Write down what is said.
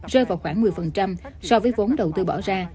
rơi vào khoảng một mươi so với vốn đầu tư bỏ ra